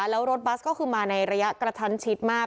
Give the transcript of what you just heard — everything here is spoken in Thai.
แล้วรถบัสก็คือมาในระยะกระชั้นชิดมาก